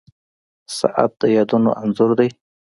• ساعت د یادونو انځور دی.